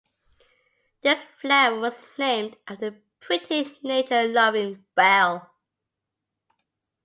This flower was named after the pretty nature-loving belle.